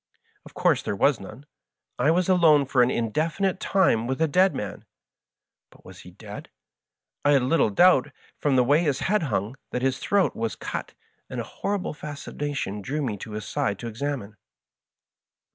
Of course there was none. I was alone for an indefinite time with a dead man. But was he dead ? I had little doubt, from the way his head hung, that his throat was «ut, and a hor rible fascination drew me to his side to examine.